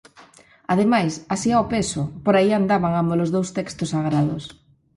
Ademais, así ao peso, por aí andaban ámbolos dous textos sagrados.